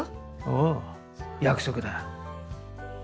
おう約束だ。